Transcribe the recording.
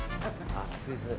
暑いですね。